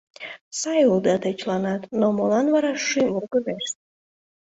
Сай улыда те чыланат, но молан вара шӱм вургыжеш?